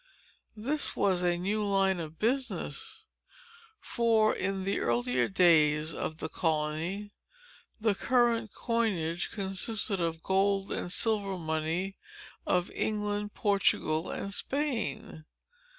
This was a new line of business: for, in the earlier days of the colony, the current coinage consisted of gold and silver money of England, Portugal, and Spain.